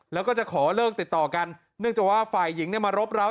แล้วก็จะขอเลิกติดต่อกันเนื่องจากว่าฝ่ายหญิงเนี่ยมารบร้าว